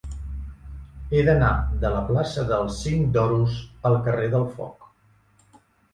He d'anar de la plaça del Cinc d'Oros al carrer del Foc.